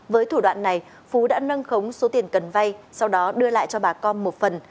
với thủ đoạn này phú đã nâng khống số tiền cần vay sau đó đưa lại cho bà con một phần